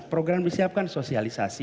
program disiapkan sosialisasi